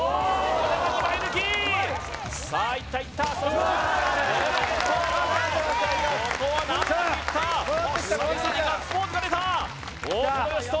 これは２枚抜きさあいったいったここは難なくいった久々にガッツポーズが出た大久保嘉人